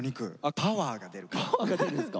パワーが出るんすか？